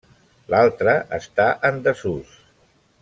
L'altra està en desús.